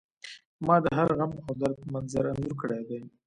ما د هر غم او درد منظر انځور کړی دی